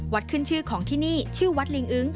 ขึ้นชื่อของที่นี่ชื่อวัดลิงอึ้ง